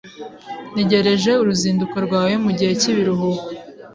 Ntegereje uruzinduko rwawe mugihe cyibiruhuko.